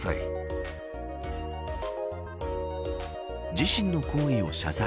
自身の行為を謝罪。